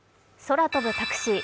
空飛ぶタクシー。